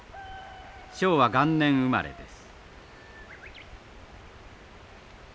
昭和元年生まれです。